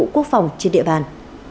điện vụ quốc phòng trên địa bàn